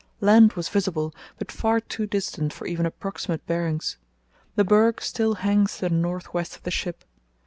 Land was visible, but far too distant for even approximate bearings. The berg still hangs to the north west of the ship.